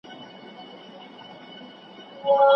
د خوبونو قافلې به دي لوټمه